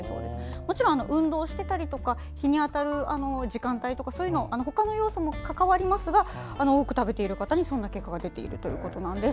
もちろん運動していたりとか日に当たる時間とかそういうほかの要素も関わりますが多く食べている方にそんな結果が出ているということです。